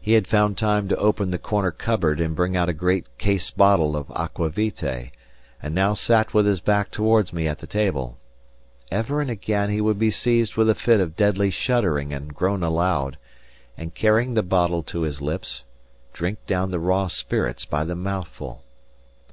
He had found time to open the corner cupboard and bring out a great case bottle of aqua vitae, and now sat with his back towards me at the table. Ever and again he would be seized with a fit of deadly shuddering and groan aloud, and carrying the bottle to his lips, drink down the raw spirits by the mouthful.